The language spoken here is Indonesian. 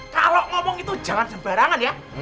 kalau ngomong itu jangan sembarangan ya